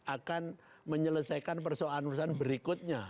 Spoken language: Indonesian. akan menyelesaikan persoalan persoalan berikutnya